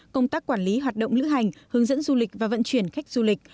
công tác quản lý hoạt động lữ hành hướng dẫn du lịch và vận chuyển khách du lịch